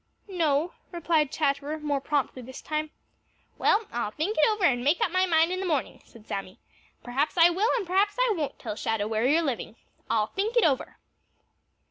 "No," replied Chatterer more promptly this time. "Well, I'll think it over and make up my mind in the morning," said Sammy. "Perhaps I will and perhaps I won't tell Shadow where you are living. I'll think it over."